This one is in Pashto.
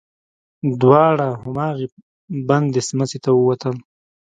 دواړه هماغې بندې سمڅې ته ووتل.